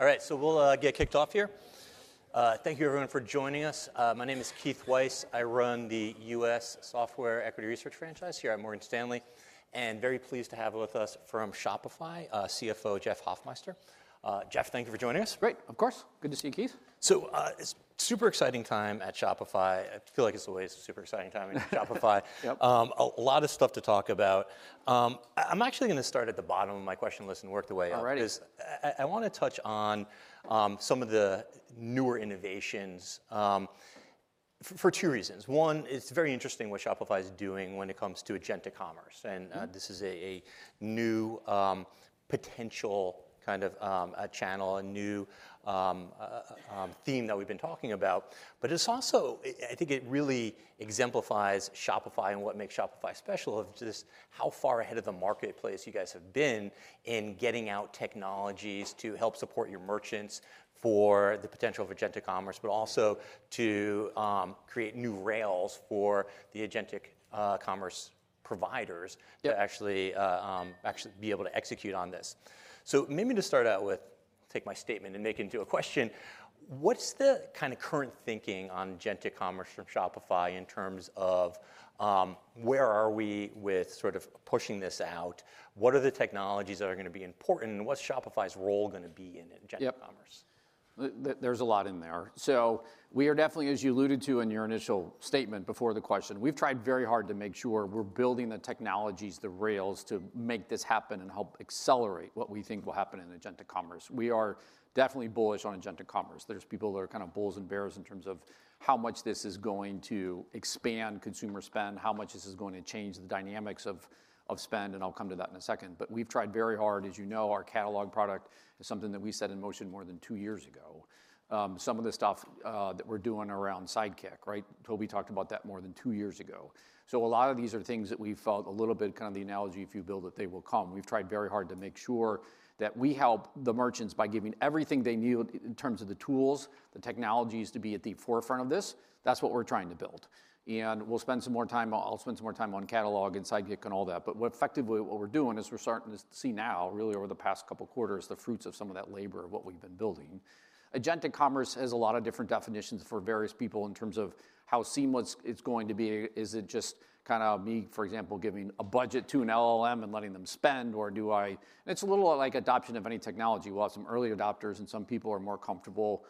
All right, so we'll get kicked off here. Thank you, everyone, for joining us. My name is Keith Weiss. I run the US Software Equity Research Franchise here at Morgan Stanley, and I'm very pleased to have with us from Shopify CFO Jeff Hoffmeister. Jeff, thank you for joining us. Great, of course. Good to see you, Keith. So, it's a super exciting time at Shopify. I feel like it's always a super exciting time at Shopify. A lot of stuff to talk about. I'm actually going to start at the bottom of my question list and work the way up. All right. Because I want to touch on some of the newer innovations for two reasons. One, it's very interesting what Shopify is doing when it comes agentic commerce. And this is a new potential kind of channel, a new theme that we've been talking about. But it's also, I think it really exemplifies Shopify and what makes Shopify special, just how far ahead of the marketplace you guys have been in getting out technologies to help support your merchants for the potential agentic commerce, but also to create new rails for agentic commerce providers to actually be able to execute on this. So maybe to start out with, take my statement and make it into a question, what's the kind of current thinking agentic commerce from Shopify in terms of where are we with sort of pushing this out? What are the technologies that are going to be important? And what's Shopify's role going to be in agentic commerce? There's a lot in there. So we are definitely, as you alluded to in your initial statement before the question, we've tried very hard to make sure we're building the technologies, the rails to make this happen and help accelerate what we think will happen agentic commerce. We are definitely bullish agentic commerce. There's people that are kind of bulls and bears in terms of how much this is going to expand consumer spend, how much this is going to change the dynamics of spend, and I'll come to that in a second. But we've tried very hard, as you know, our Catalog product is something that we set in motion more than two years ago. Some of the stuff that we're doing around Sidekick, right? Tobi talked about that more than two years ago. So a lot of these are things that we felt a little bit kind of the analogy if you build that they will come. We've tried very hard to make sure that we help the merchants by giving everything they need in terms of the tools, the technologies to be at the forefront of this. That's what we're trying to build. And we'll spend some more time, I'll spend some more time on Catalog and Sidekick and all that. But effectively what we're doing is we're starting to see now, really over the past couple of quarters, the fruits of some of that labor of what we've been agentic commerce has a lot of different definitions for various people in terms of how seamless it's going to be. Is it just kind of me, for example, giving a budget to an LLM and letting them spend, or do I? It's a little like adoption of any technology. We'll have some early adopters, and some people are more comfortable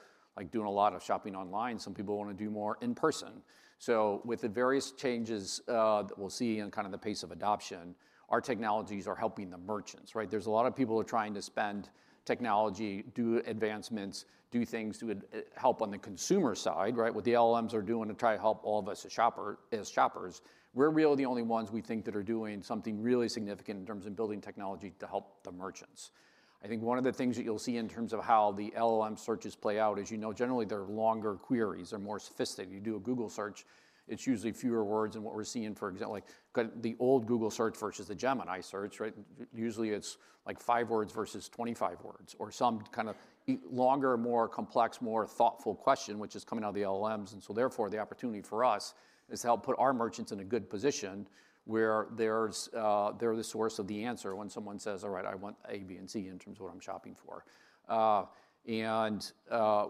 doing a lot of shopping online. Some people want to do more in person, so with the various changes that we'll see in kind of the pace of adoption, our technologies are helping the merchants, right? There's a lot of people who are trying to spend on technology, do advancements, do things to help on the consumer side, right? What the LLMs are doing to try to help all of us as shoppers. We're really the only ones we think that are doing something really significant in terms of building technology to help the merchants. I think one of the things that you'll see in terms of how the LLMs searches play out is, you know, generally they're longer queries. They're more sophisticated. You do a Google search, it's usually fewer words. And what we're seeing, for example, like the old Google search versus the Gemini search, right? Usually it's like five words versus 25 words, or some kind of longer, more complex, more thoughtful question, which is coming out of the LLMs. And so therefore the opportunity for us is to help put our merchants in a good position where they're the source of the answer when someone says, "All right, I want A, B, and C in terms of what I'm shopping for." And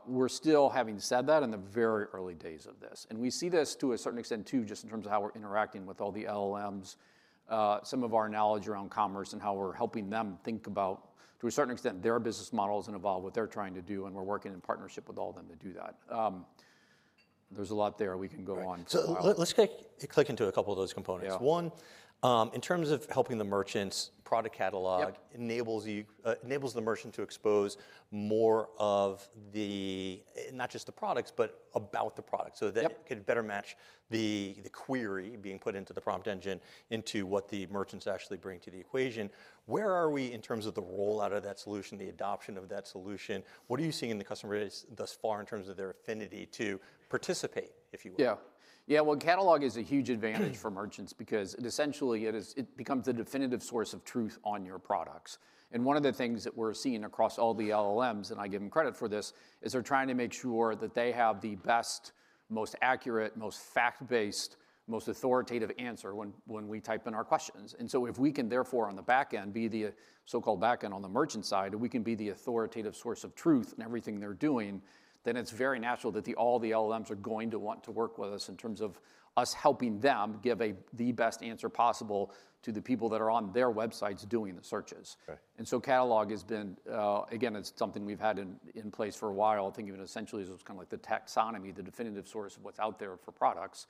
we're still, having said that, in the very early days of this. And we see this to a certain extent too, just in terms of how we're interacting with all the LLMs, some of our knowledge around commerce and how we're helping them think about, to a certain extent, their business models and evolve what they're trying to do. And we're working in partnership with all of them to do that. There's a lot there we can go on. So let's click into a couple of those components. One, in terms of helping the merchants, product Catalog enables the merchant to expose more of the, not just the products, but about the products so that it could better match the query being put into the prompt engine into what the merchants actually bring to the equation. Where are we in terms of the rollout of that solution, the adoption of that solution? What are you seeing in the customer base thus far in terms of their affinity to participate, if you will? Yeah. Yeah, well, Catalog is a huge advantage for merchants because essentially it becomes the definitive source of truth on your products. And one of the things that we're seeing across all the LLMs, and I give them credit for this, is they're trying to make sure that they have the best, most accurate, most fact-based, most authoritative answer when we type in our questions. And so if we can therefore on the back end be the so-called back end on the merchant side, if we can be the authoritative source of truth in everything they're doing, then it's very natural that all the LLMs are going to want to work with us in terms of us helping them give the best answer possible to the people that are on their websites doing the searches. And so Catalog has been, again, it's something we've had in place for a while, thinking of it essentially as kind of like the taxonomy, the definitive source of what's out there for products.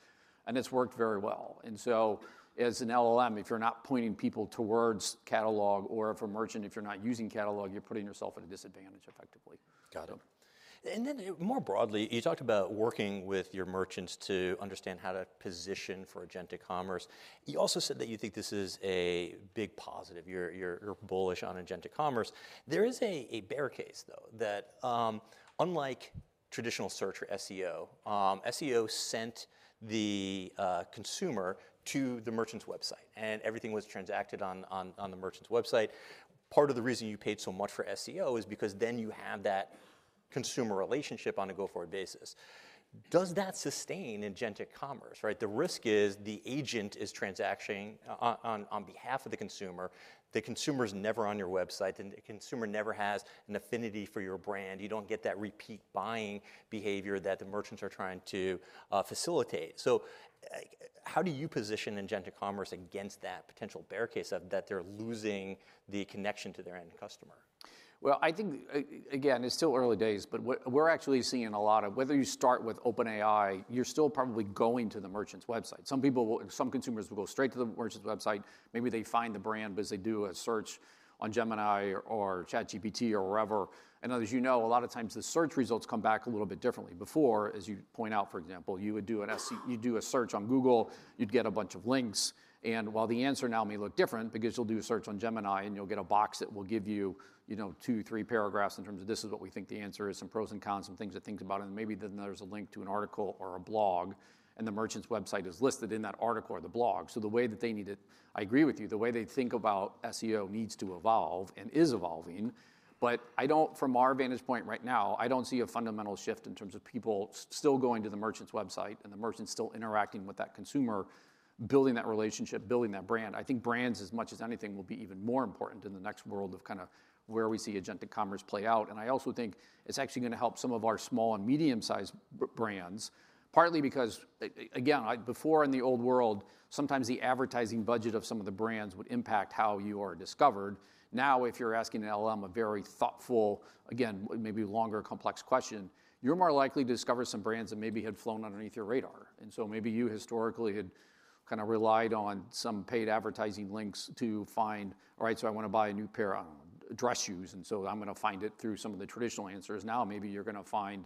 And it's worked very well. And so as an LLM, if you're not pointing people towards Catalog, or if a merchant, if you're not using Catalog, you're putting yourself at a disadvantage effectively. Got it. And then more broadly, you talked about working with your merchants to understand how to position agentic commerce. You also said that you think this is a big positive. You're bullish agentic commerce. There is a bear case though, that unlike traditional search or SEO, SEO sent the consumer to the merchant's website and everything was transacted on the merchant's website. Part of the reason you paid so much for SEO is because then you have that consumer relationship on a go-forward basis. Does that agentic commerce, right? The risk is the agent is transacting on behalf of the consumer. The consumer's never on your website, and the consumer never has an affinity for your brand. You don't get that repeat buying behavior that the merchants are trying to facilitate. So how do you agentic commerce against that potential bear case of that they're losing the connection to their end customer? I think, again, it's still early days, but we're actually seeing a lot of whether you start with OpenAI, you're still probably going to the merchant's website. Some consumers will go straight to the merchant's website. Maybe they find the brand because they do a search on Gemini or ChatGPT or wherever, and as you know, a lot of times the search results come back a little bit differently. Before, as you point out, for example, you would do a search on Google, you'd get a bunch of links, and while the answer now may look different, because you'll do a search on Gemini and you'll get a box that will give you two, three paragraphs in terms of this is what we think the answer is, some pros and cons, some things to think about. And maybe then there's a link to an article or a blog, and the merchant's website is listed in that article or the blog. So the way that they need it, I agree with you, the way they think about SEO needs to evolve and is evolving. But from our vantage point right now, I don't see a fundamental shift in terms of people still going to the merchant's website and the merchant still interacting with that consumer, building that relationship, building that brand. I think brands, as much as anything, will be even more important in the next world of kind of where we agentic commerce play out. And I also think it's actually going to help some of our small and medium-sized brands, partly because, again, before in the old world, sometimes the advertising budget of some of the brands would impact how you are discovered. Now, if you're asking an LLM a very thoughtful, again, maybe longer, complex question, you're more likely to discover some brands that maybe had flown underneath your radar. And so maybe you historically had kind of relied on some paid advertising links to find, "All right, so I want to buy a new pair of dress shoes, and so I'm going to find it through some of the traditional answers." Now, maybe you're going to find,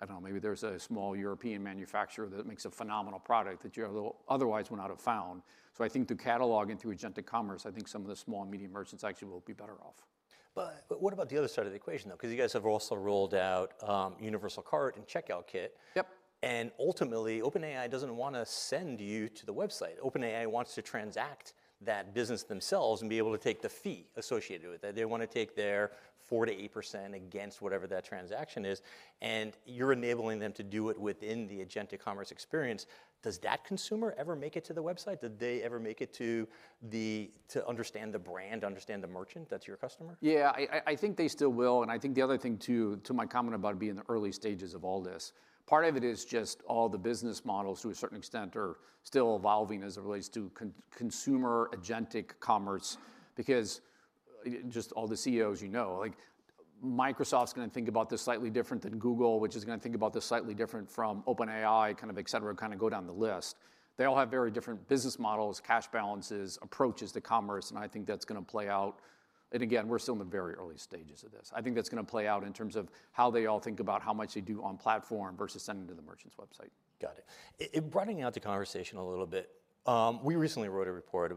I don't know, maybe there's a small European manufacturer that makes a phenomenal product that you otherwise would not have found. So I think through Catalog and agentic commerce, I think some of the small and medium merchants actually will be better off. But what about the other side of the equation though? Because you guys have also rolled out universal cart and Checkout Kit. Yep. And ultimately, OpenAI doesn't want to send you to the website. OpenAI wants to transact that business themselves and be able to take the fee associated with it. They want to take their 4% to 8% against whatever that transaction is. And you're enabling them to do it within agentic commerce experience. Does that consumer ever make it to the website? Do they ever make it to understand the brand, understand the merchant that's your customer? Yeah, I think they still will. And I think the other thing too, to my comment about being in the early stages of all this, part of it is just all the business models to a certain extent are still evolving as it relates to agentic commerce. Because just all the CEOs, you know, Microsoft's going to think about this slightly different than Google, which is going to think about this slightly different from OpenAI, kind of, et cetera, kind of go down the list. They all have very different business models, cash balances, approaches to commerce. And I think that's going to play out. And again, we're still in the very early stages of this. I think that's going to play out in terms of how they all think about how much they do on platform versus sending to the merchant's website. Got it. Rounding out the conversation a little bit, we recently wrote a report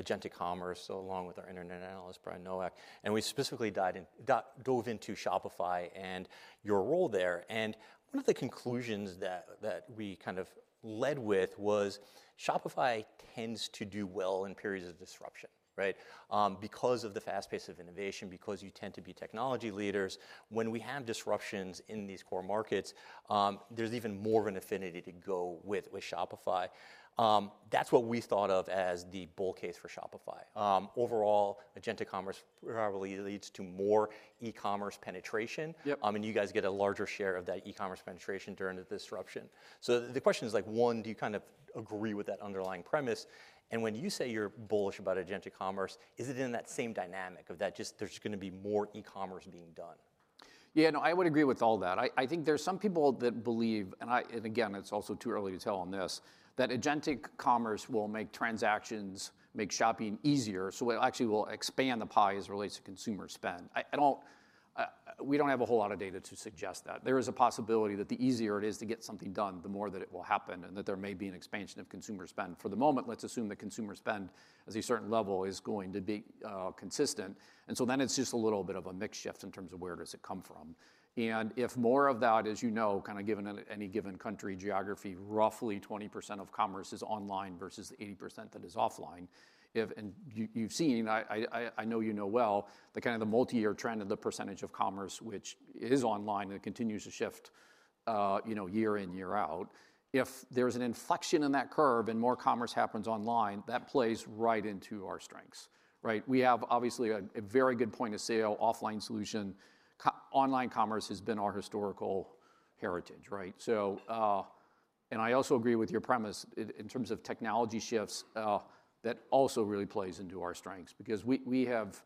agentic commerce along with our internet analyst, Brian Nowak, and we specifically dove into Shopify and your role there, and one of the conclusions that we kind of led with was Shopify tends to do well in periods of disruption, right? Because of the fast pace of innovation, because you tend to be technology leaders. When we have disruptions in these core markets, there's even more of an affinity to go with Shopify. That's what we thought of as the bull case for Shopify. agentic commerce probably leads to more E-commerce penetration, and you guys get a larger share of that E-commerce penetration during the disruption, so the question is like, one, do you kind of agree with that underlying premise? When you say you're bullish agentic commerce, is it in that same dynamic of that just there's going to be more E-commerce being done? Yeah, no, I would agree with all that. I think there's some people that believe, and again, it's also too early to tell on this, agentic commerce will make transactions, make shopping easier. So it actually will expand the pie as it relates to consumer spend. We don't have a whole lot of data to suggest that. There is a possibility that the easier it is to get something done, the more that it will happen and that there may be an expansion of consumer spend. For the moment, let's assume that consumer spend at a certain level is going to be consistent. And so then it's just a little bit of a mixed shift in terms of where does it come from. And if more of that, as you know, kind of given any given country geography, roughly 20% of commerce is online versus 80% that is offline. And you've seen, I know you know well, the kind of the multi-year trend of the percentage of commerce which is online and continues to shift year in, year out. If there's an inflection in that curve and more commerce happens online, that plays right into our strengths, right? We have obviously a very good point of sale, offline solution. Online commerce has been our historical heritage, right? And I also agree with your premise in terms of technology shifts that also really plays into our strengths because we have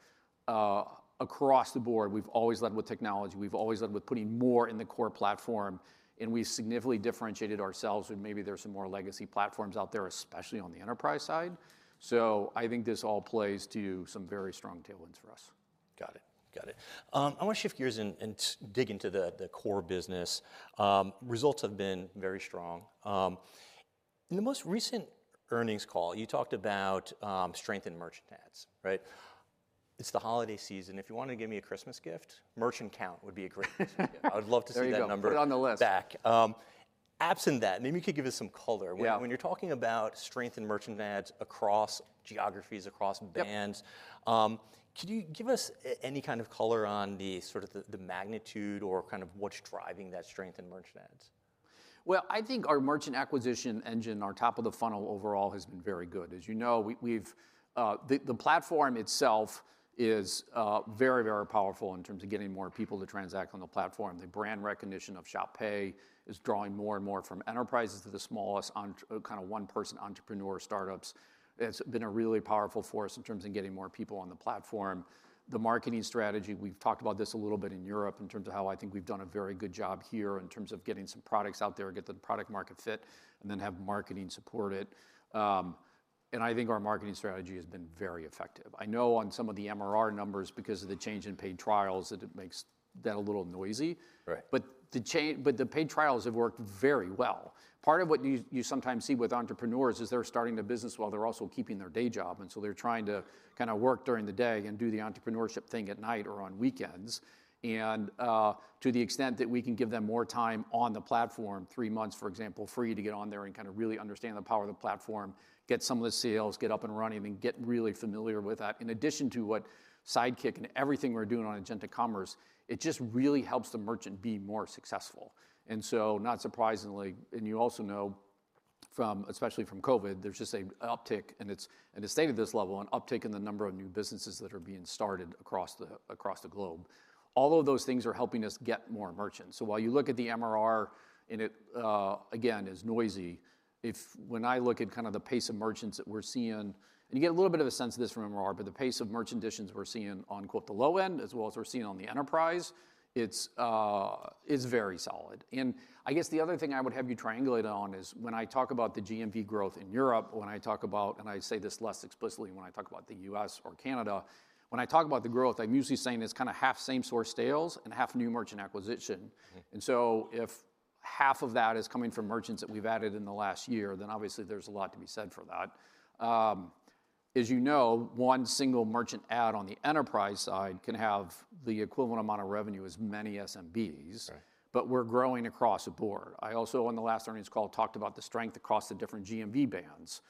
across the board, we've always led with technology. We've always led with putting more in the core platform. And we've significantly differentiated ourselves when maybe there's some more legacy platforms out there, especially on the enterprise side. So I think this all plays to some very strong tailwinds for us. Got it. Got it. I want to shift gears and dig into the core business. Results have been very strong. In the most recent earnings call, you talked about strength in merchant ads, right? It's the holiday season. If you wanted to give me a christmas gift, merchant count would be a great reason. I would love to see that number. Put it on the list. Back. Absent that, maybe you could give us some color. When you're talking about strength in merchant ads across geographies, across brands, could you give us any kind of color on the sort of magnitude or kind of what's driving that strength in merchant ads? Well, I think our merchant acquisition engine on top of the funnel overall has been very good. As you know, the platform itself is very, very powerful in terms of getting more people to transact on the platform. The brand recognition of Shop Pay is drawing more and more from enterprises to the smallest kind of one-person entrepreneur startups. It's been a really powerful force in terms of getting more people on the platform. The marketing strategy, we've talked about this a little bit in Europe in terms of how I think we've done a very good job here in terms of getting some products out there, get the product-market fit, and then have marketing support it. And I think our marketing strategy has been very effective. I know on some of the MRR numbers because of the change in paid trials that it makes that a little noisy. But the paid trials have worked very well. Part of what you sometimes see with entrepreneurs is they're starting a business while they're also keeping their day job. And so they're trying to kind of work during the day and do the entrepreneurship thing at night or on weekends. And to the extent that we can give them more time on the platform, three months, for example, free to get on there and kind of really understand the power of the platform, get some of the sales, get up and running, and get really familiar with that. In addition to what Sidekick and everything we're doing agentic commerce, it just really helps the merchant be more successful. And so, not surprisingly, and you also know from, especially from COVID, there's just an uptick, and it's stayed at this level, an uptick in the number of new businesses that are being started across the globe. All of those things are helping us get more merchants. So while you look at the MRR, and it again is noisy, when I look at kind of the pace of merchants that we're seeing, and you get a little bit of a sense of this from MRR, but the pace of merchant additions we're seeing on "the low end" as well as we're seeing on the enterprise, it's very solid. I guess the other thing I would have you triangulate on is when I talk about the GMV growth in Europe, when I talk about, and I say this less explicitly when I talk about the US or Canada, when I talk about the growth. I'm usually saying it's kind of half same source sales and half new merchant acquisition. So if half of that is coming from merchants that we've added in the last year, then obviously there's a lot to be said for that. As you know, one single merchant ad on the enterprise side can have the equivalent amount of revenue as many SMBs, but we're growing across the board. I also on the last earnings call talked about the strength across the different GMV bands.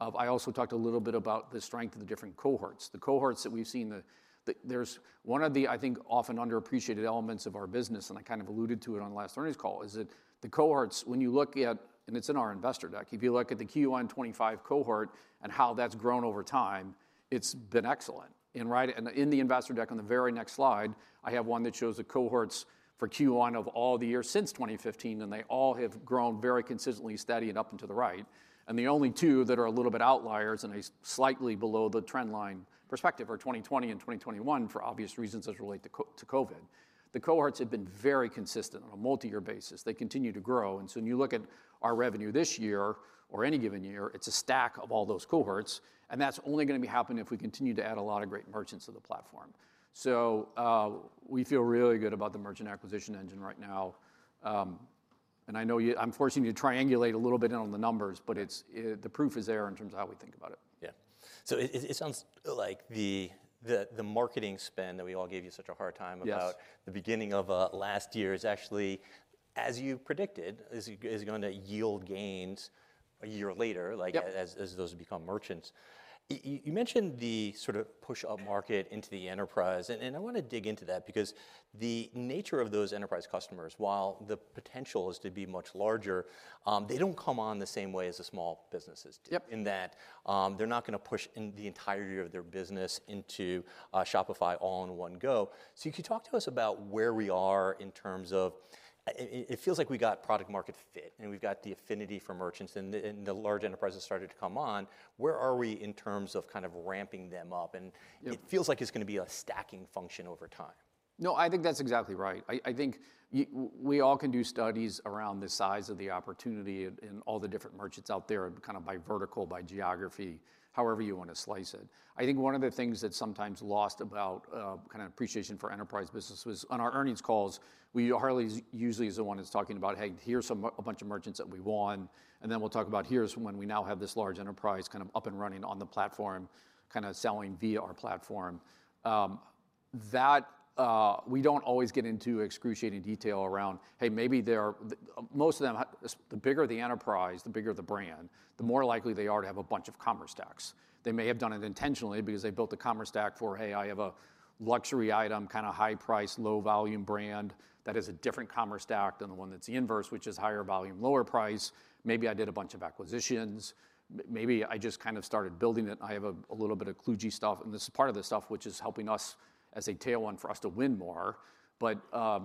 I also talked a little bit about the strength of the different cohorts. The cohorts that we've seen, there's one of the, I think, often underappreciated elements of our business, and I kind of alluded to it on the last earnings call, is that the cohorts, when you look at, and it's in our investor deck, if you look at the Q1 2025 cohort and how that's grown over time, it's been excellent. And in the investor deck on the very next slide, I have one that shows the cohorts for Q1 of all the years since 2015, and they all have grown very consistently steady and up and to the right. And the only two that are a little bit outliers and slightly below the trendline perspective are 2020 and 2021 for obvious reasons as it relates to COVID. The cohorts have been very consistent on a multi-year basis. They continue to grow. And so when you look at our revenue this year or any given year, it's a stack of all those cohorts. And that's only going to be happening if we continue to add a lot of great merchants to the platform. So we feel really good about the merchant acquisition engine right now. And I know I'm forcing you to triangulate a little bit on the numbers, but the proof is there in terms of how we think about it. Yeah, so it sounds like the marketing spend that we all gave you such a hard time about the beginning of last year is actually, as you predicted, is going to yield gains a year later as those become merchants. You mentioned the sort of push up-market into the enterprise, and I want to dig into that because the nature of those enterprise customers, while the potential is to be much larger, they don't come on the same way as the small businesses in that they're not going to push the entirety of their business into Shopify all in one go. So you could talk to us about where we are in terms of it feels like we got product-market fit and we've got the affinity for merchants and the large enterprises started to come on. Where are we in terms of kind of ramping them up? It feels like it's going to be a stacking function over time? No, I think that's exactly right. I think we all can do studies around the size of the opportunity and all the different merchants out there kind of by vertical, by geography, however you want to slice it. I think one of the things that's sometimes lost about kind of appreciation for enterprise business was on our earnings calls, we hardly usually is the one that's talking about, "Hey, here's a bunch of merchants that we won." and then we'll talk about, "Here's when we now have this large enterprise kind of up and running on the platform, kind of selling via our platform." That we don't always get into excruciating detail around, "Hey, maybe they're most of them, the bigger the enterprise, the bigger the brand, the more likely they are to have a bunch of commerce stacks." They may have done it intentionally because they built the commerce stack for, "Hey, I have a luxury item, kind of high-priced, low-volume brand that has a different commerce stack than the one that's the inverse, which is higher volume, lower price." Maybe I did a bunch of acquisitions. “Maybe I just kind of started building it. I have a little bit of kludge stuff.” And this is part of the stuff which is helping us as a tailwind for us to win more. But a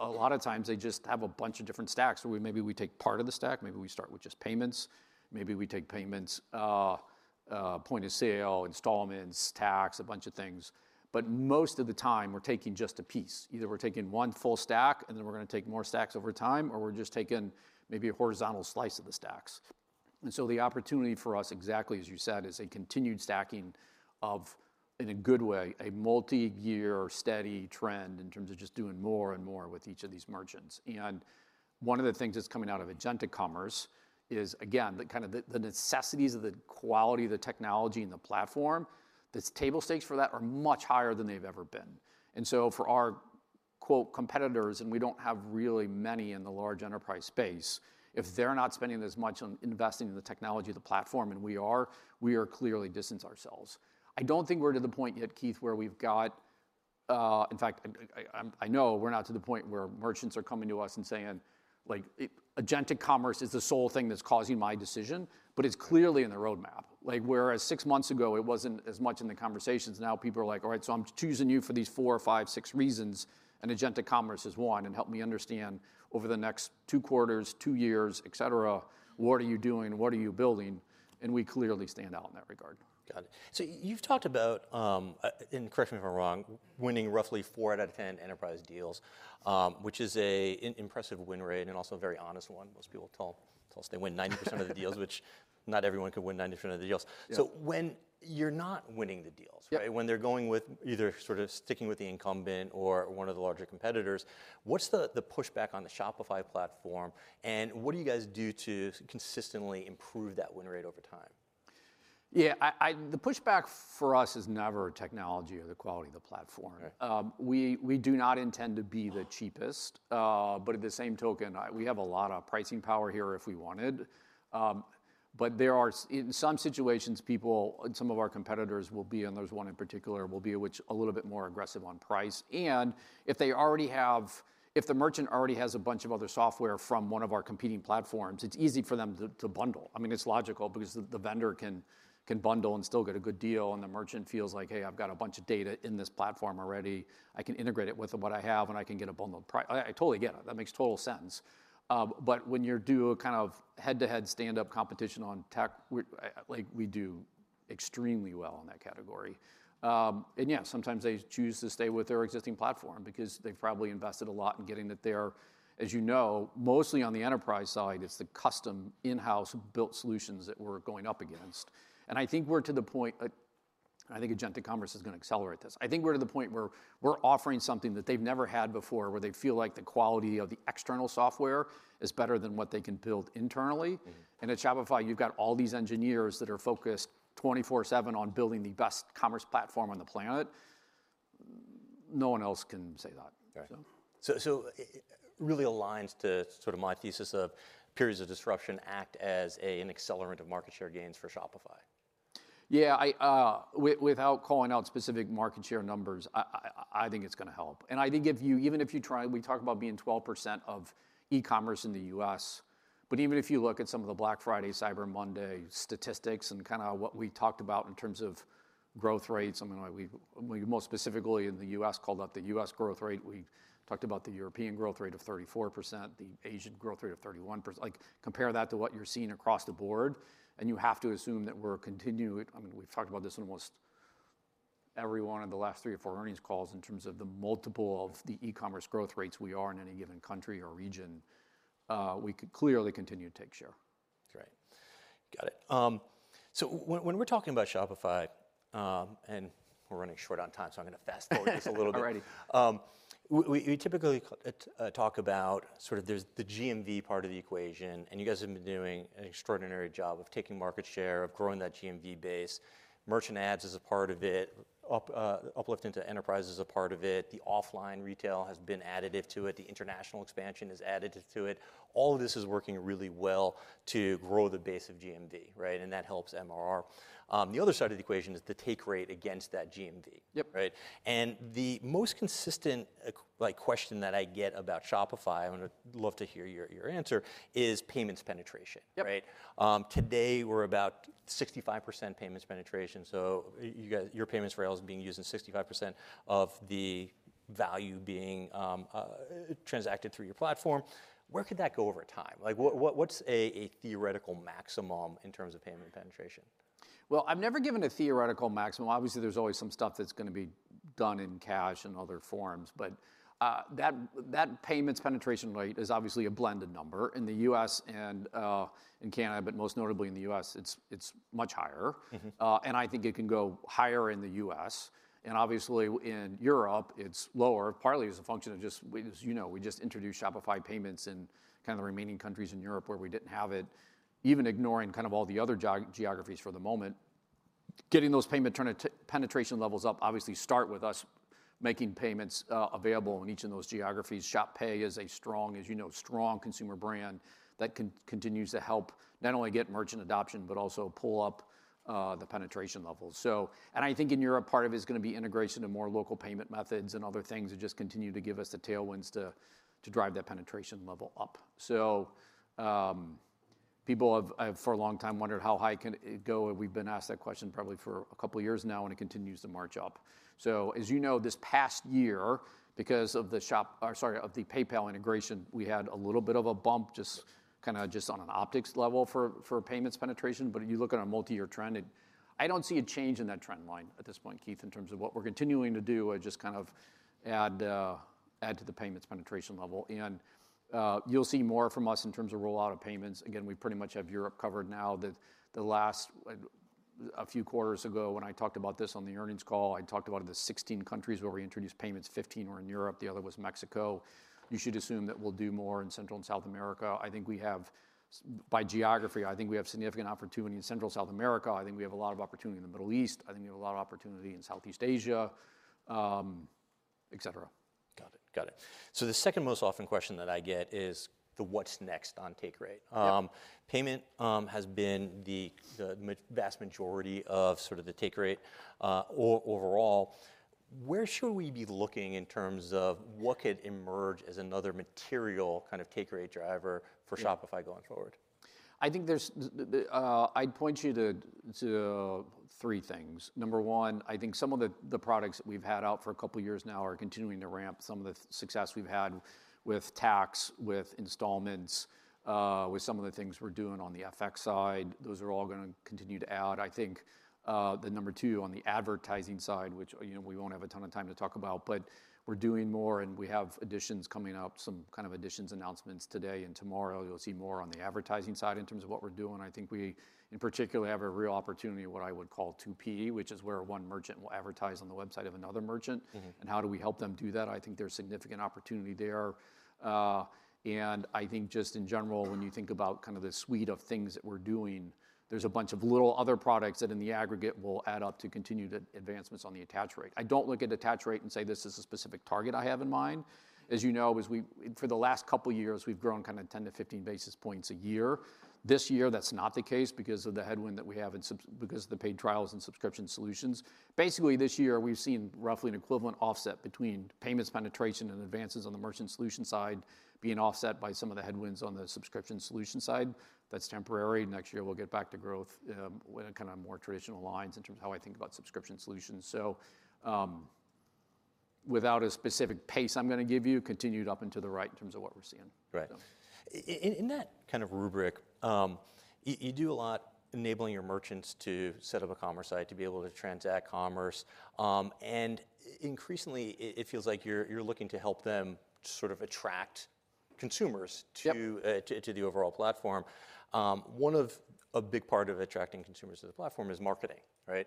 lot of times they just have a bunch of different stacks where maybe we take part of the stack, maybe we start with just payments, maybe we take payments, point of sale, installments, tax, a bunch of things. But most of the time we're taking just a piece. Either we're taking one full stack and then we're going to take more stacks over time, or we're just taking maybe a horizontal slice of the stacks. And so the opportunity for us, exactly as you said, is a continued stacking of, in a good way, a multi-year steady trend in terms of just doing more and more with each of these merchants. And one of the things that's coming out agentic commerce is, again, kind of the necessities of the quality of the technology and the platform, the table stakes for that are much higher than they've ever been. And so for our "competitors," and we don't have really many in the large enterprise space, if they're not spending as much on investing in the technology, the platform, and we are, we are clearly distancing ourselves. I don't think we're to the point yet, Keith, where we've got, in fact, I know we're not to the point where merchants are coming to us and "agentic commerce is the sole thing that's causing my decision," but it's clearly in the roadmap. Whereas six months ago, it wasn't as much in the conversations. Now people are like, "All right, so I'm choosing you for these four or five, six reasons, agentic commerce is one. And help me understand over the next two quarters, two years, et cetera, what are you doing? What are you building?" And we clearly stand out in that regard. Got it. So you've talked about, and correct me if I'm wrong, winning roughly four out of 10 enterprise deals, which is an impressive win rate and also a very honest one. Most people tell us they win 90% of the deals, which not everyone can win 90% of the deals. So when you're not winning the deals, right, when they're going with either sort of sticking with the incumbent or one of the larger competitors, what's the pushback on the Shopify platform? And what do you guys do to consistently improve that win rate over time? Yeah, the pushback for us is never technology or the quality of the platform. We do not intend to be the cheapest, but at the same token, we have a lot of pricing power here if we wanted. But there are, in some situations, people. Some of our competitors will be, and there's one in particular, will be a little bit more aggressive on price. And if they already have, if the merchant already has a bunch of other software from one of our competing platforms, it's easy for them to bundle. I mean, it's logical because the vendor can bundle and still get a good deal. And the merchant feels like, "Hey, I've got a bunch of data in this platform already. I can integrate it with what I have and I can get a bundled price." I totally get it. That makes total sense. But when you do a kind of head-to-head stand-up competition on tech, we do extremely well in that category. And yeah, sometimes they choose to stay with their existing platform because they've probably invested a lot in getting it there. As you know, mostly on the enterprise side, it's the custom in-house built solutions that we're going up against. And I think we're to the point, I agentic commerce is going to accelerate this. I think we're to the point where we're offering something that they've never had before, where they feel like the quality of the external software is better than what they can build internally. And at Shopify, you've got all these engineers that are focused 24/7 on building the best commerce platform on the planet. No one else can say that. So really aligns to sort of my thesis of periods of disruption act as an accelerant of market share gains for Shopify. Yeah, without calling out specific market share numbers, I think it's going to help. And I think even if you try, we talk about being 12% of E-commerce in the US But even if you look at some of the Black Friday, Cyber Monday statistics and kind of what we talked about in terms of growth rates, I mean, we most specifically in the US called up the US growth rate. We talked about the European growth rate of 34%, the Asian growth rate of 31%. Compare that to what you're seeing across the board, and you have to assume that we're continuing, I mean, we've talked about this in almost every one of the last three or four earnings calls in terms of the multiple of the E-commerce growth rates we are in any given country or region. We can clearly continue to take share. Right. Got it. So when we're talking about Shopify, and we're running short on time, so I'm going to fast forward this a little bit. All righty. We typically talk about sort of the GMV part of the equation, and you guys have been doing an extraordinary job of taking market share, of growing that GMV base. Merchant ads is a part of it. Uplift into enterprise is a part of it. The offline retail has been additive to it. The international expansion has added to it. All of this is working really well to grow the base of GMV, right, and that helps MRR. The other side of the equation is the take rate against that GMV, right, and the most consistent question that I get about Shopify, I would love to hear your answer, is payments penetration, right? Today we're about 65% payments penetration. So your payments for sales being used in 65% of the value being transacted through your platform. Where could that go over time? What's a theoretical maximum in terms of payment penetration? I've never given a theoretical maximum. Obviously, there's always some stuff that's going to be done in cash and other forms, but that payments penetration rate is obviously a blended number in the US and in Canada, but most notably in the US, it's much higher. And I think it can go higher in the US and obviously in Europe, it's lower, partly as a function of just, as you know, we just introduced Shopify Payments in kind of the remaining countries in Europe where we didn't have it. Even ignoring kind of all the other geographies for the moment, getting those payment penetration levels up obviously start with us making payments available in each of those geographies. Shop Pay is a strong, as you know, strong consumer brand that continues to help not only get merchant adoption, but also pull up the penetration levels. And I think in Europe, part of it is going to be integration of more local payment methods and other things that just continue to give us the tailwinds to drive that penetration level up. So people have for a long time wondered how high can it go. We've been asked that question probably for a couple of years now, and it continues to march up. So as you know, this past year, because of the PayPal integration, we had a little bit of a bump just kind of just on an optics level for payments penetration. But you look at a multi-year trend, I don't see a change in that trend line at this point, Keith, in terms of what we're continuing to do, just kind of add to the payments penetration level. And you'll see more from us in terms of rollout of payments. Again, we pretty much have Europe covered now. The last few quarters ago, when I talked about this on the earnings call, I talked about the 16 countries where we introduced payments, 15 were in Europe, the other was Mexico. You should assume that we'll do more in Central and South America. I think we have, by geography, I think we have significant opportunity in Central and South America. I think we have a lot of opportunity in the Middle East. I think we have a lot of opportunity in Southeast Asia, et cetera. Got it. Got it. So the second most often question that I get is the 'what's next on take rate?'. Payment has been the vast majority of sort of the take rate overall. Where should we be looking in terms of what could emerge as another material kind of take rate driver for Shopify going forward? I think I'd point you to three things. Number one, I think some of the products that we've had out for a couple of years now are continuing to ramp some of the success we've had with tax, with installments, with some of the things we're doing on the FX side. Those are all going to continue to add. I think the number two on the advertising side, which we won't have a ton of time to talk about, but we're doing more and we have additions coming up, some kind of additions announcements today and tomorrow. You'll see more on the advertising side in terms of what we're doing. I think we in particular have a real opportunity, what I would call 2P, which is where one merchant will advertise on the website of another merchant. And how do we help them do that? I think there's significant opportunity there, and I think just in general, when you think about kind of the suite of things that we're doing, there's a bunch of little other products that in the aggregate will add up to continue to advancements on the attach rate. I don't look at attach rate and say this is a specific target I have in mind. As you know, for the last couple of years, we've grown kind of 10 to 15 basis points a year. This year, that's not the case because of the headwind that we have and because of the paid trials and Subscription Solutions. Basically, this year, we've seen roughly an equivalent offset between payments penetration and advances on the Merchant Solutions side being offset by some of the headwinds on the Subscription Solutions side. That's temporary. Next year, we'll get back to growth with kind of more traditional lines in terms of how I think about Subscription Solutions, so without a specific pace I'm going to give you, continued up and to the right in terms of what we're seeing. Right. In that kind of rubric, you do a lot enabling your merchants to set up a commerce site to be able to transact commerce. And increasingly, it feels like you're looking to help them sort of attract consumers to the overall platform. One of a big part of attracting consumers to the platform is marketing, right?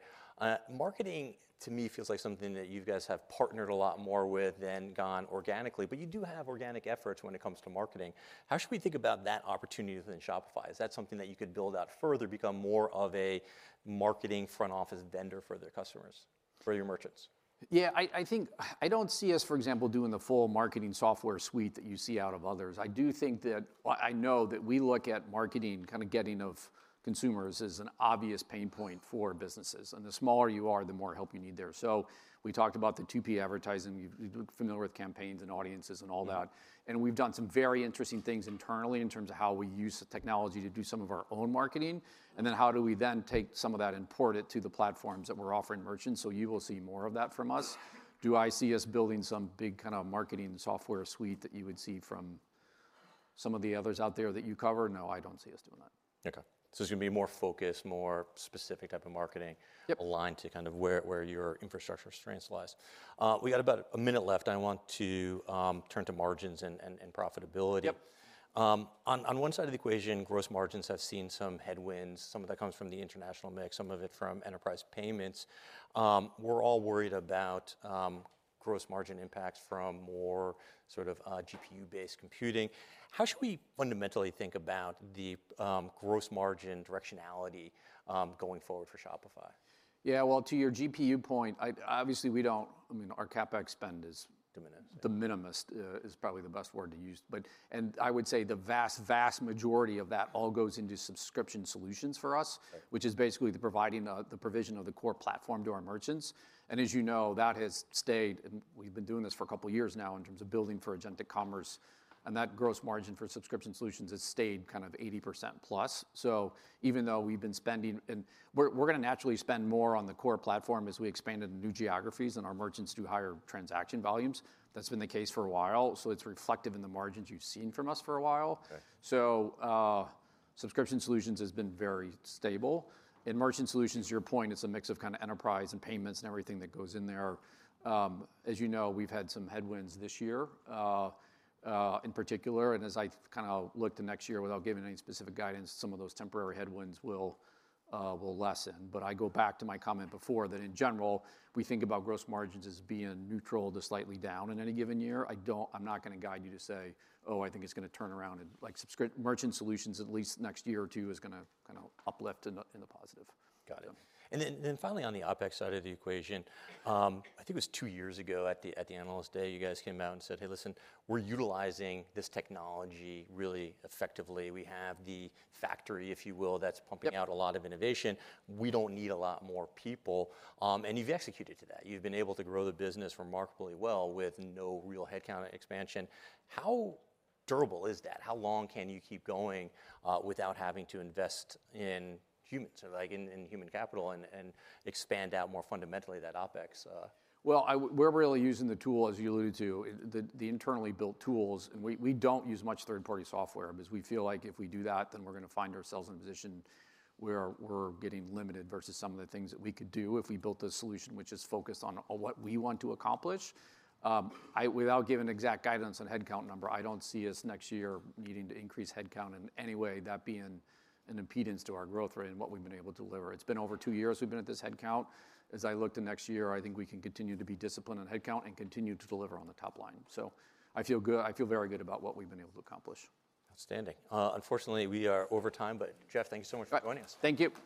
Marketing to me feels like something that you guys have partnered a lot more with than gone organically, but you do have organic efforts when it comes to marketing. How should we think about that opportunity within Shopify? Is that something that you could build out further, become more of a marketing front office vendor for their customers, for your merchants? Yeah, I think I don't see us, for example, doing the full marketing software suite that you see out of others. I do think that I know that we look at marketing kind of getting to consumers as an obvious pain point for businesses. And the smaller you are, the more help you need there. So we talked about the 2P advertising. You're familiar with campaigns and audiences and all that. And we've done some very interesting things internally in terms of how we use the technology to do some of our own marketing. And then how do we then take some of that and port it to the platforms that we're offering merchants? So you will see more of that from us. Do I see us building some big kind of marketing software suite that you would see from some of the others out there that you cover? No, I don't see us doing that. Okay. So it's going to be more focused, more specific type of marketing aligned to kind of where your infrastructure strengths lies. We got about a minute left. I want to turn to margins and profitability. On one side of the equation, gross margins have seen some headwinds. Some of that comes from the international mix, some of it from enterprise payments. We're all worried about gross margin impacts from more sort of GPU-based computing. How should we fundamentally think about the gross margin directionality going forward for Shopify? Yeah, well, to your GPU point, obviously we don't. I mean, our CapEx spend is the minimalist, is probably the best word to use. And I would say the vast, vast majority of that all goes into Subscription Solutions for us, which is basically the provision of the core platform to our merchants. And as you know, that has stayed, and we've been doing this for a couple of years now in terms of building agentic commerce. And that gross margin for Subscription Solutions has stayed kind of 80% plus. So even though we've been spending, and we're going to naturally spend more on the core platform as we expand into new geographies and our merchants do higher transaction volumes. That's been the case for a while. So it's reflective in the margins you've seen from us for a while. So, Subscription Solutions has been very stable. In Merchant Solutions, your point, it's a mix of kind of enterprise and payments and everything that goes in there. As you know, we've had some headwinds this year in particular, and as I kind of look to next year without giving any specific guidance, some of those temporary headwinds will lessen, but I go back to my comment before that in general, we think about gross margins as being neutral to slightly down in any given year. I'm not going to guide you to say, "Oh, I think it's going to turn around." Merchant Solutions, at least next year or two, is going to kind of uplift in the positive. Got it. And then finally, on the OpEx side of the equation, I think it was two years ago at the Analyst Day, you guys came out and said, "Hey, listen, we're utilizing this technology really effectively. We have the factory, if you will, that's pumping out a lot of innovation. We don't need a lot more people." And you've executed to that. You've been able to grow the business remarkably well with no real headcount expansion. How durable is that? How long can you keep going without having to invest in humans, in human capital and expand out more fundamentally that OpEx? We're really using the tool, as you alluded to, the internally built tools. We don't use much third-party software because we feel like if we do that, then we're going to find ourselves in a position where we're getting limited versus some of the things that we could do if we built a solution which is focused on what we want to accomplish. Without giving exact guidance on headcount number, I don't see us next year needing to increase headcount in any way, that being an impediment to our growth rate and what we've been able to deliver. It's been over two years we've been at this headcount. As I look to next year, I think we can continue to be disciplined on headcount and continue to deliver on the top line. I feel good. I feel very good about what we've been able to accomplish. Outstanding. Unfortunately, we are over time, but Jeff, thank you so much for joining us. Thank you.